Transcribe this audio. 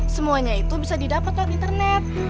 semuanya itu bisa didapat lewat internet